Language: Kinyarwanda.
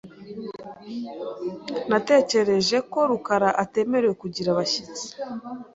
Natekereje ko rukara atemerewe kugira abashyitsi .